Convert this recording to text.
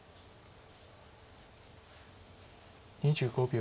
２５秒。